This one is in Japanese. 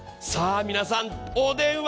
皆さん、お電話